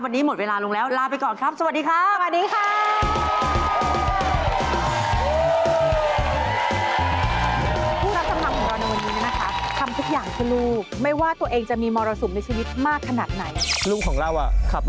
วันนี้หมดเวลาลงแล้วลาไปก่อนครับ